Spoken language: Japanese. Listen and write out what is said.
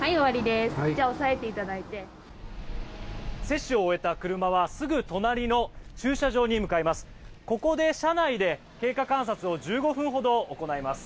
接種を終えた車はすぐ隣の駐車場に向かいます。